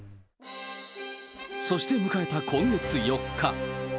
そして迎えた今月４日。